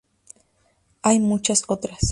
Hay muchas otras.